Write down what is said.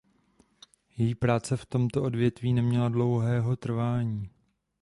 Její práce v tomto sestavení neměla dlouhého trvání.